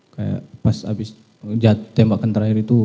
kayak pas habis tembakan terakhir itu